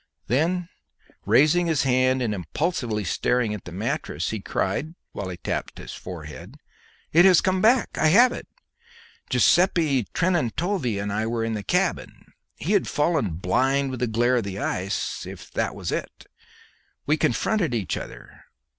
Then, raising his hand and impulsively starting upon the mattress, he cried, whilst he tapped his forehead, "It has come back! I have it! Guiseppe Trentanove and I were in the cabin; he had fallen blind with the glare of the ice if that was it. We confronted each other.